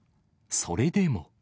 それでも。